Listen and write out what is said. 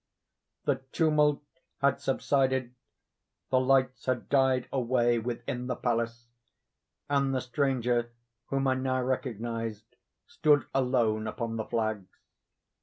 The tumult had subsided, the lights had died away within the palace, and the stranger, whom I now recognized, stood alone upon the flags.